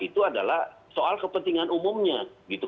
itu adalah soal kepentingan umumnya